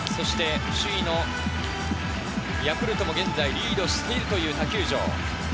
首位のヤクルトも現在リードしているという他球場。